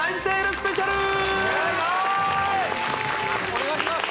お願いします